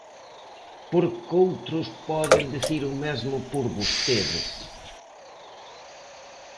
Porque outros poden dicir o mesmo por vostedes.